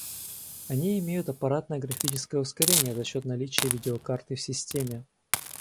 Они имеют аппаратное графическое ускорение за счёт наличия видеокарты в системе